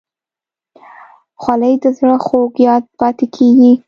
خولۍ د زړه خوږ یاد پاتې کېږي.